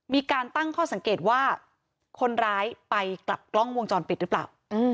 มีการตั้งข้อสังเกตว่าคนร้ายไปกลับกล้องวงจรปิดหรือเปล่า